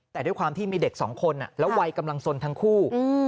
แต่ด้วยความที่มีเด็กสองคนแล้ววัยกำลังสนทั้งคู่